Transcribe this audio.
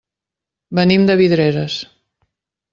Venim de Vidreres.